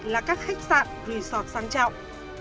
là các khách sạn resort sang trọng